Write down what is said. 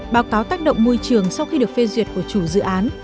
báo cáo tác động môi trường sau khi được phê duyệt của chủ dự án